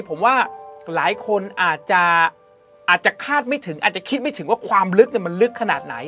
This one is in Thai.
ผมว่าหลายคนอาจจะอาจจะคาดไม่ถึงอาจจะคิดไม่ถึงว่าความลึกมันลึกขนาดไหน